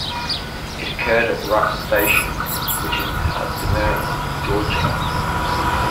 It occurred at Ruff's Station, which is now Smyrna, Georgia.